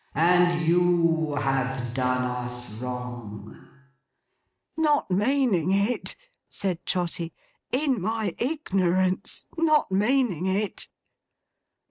And you have done us wrong!' 'Not meaning it,' said Trotty. 'In my ignorance. Not meaning it!